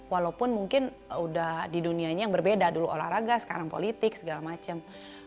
walaupun mungkin udah di dunianya yang berbeda dulu olahraga sekarang politik segala macam